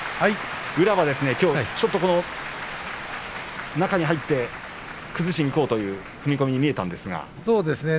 宇良はきょう中に入って崩しにいこうという踏み込みに見えましたね。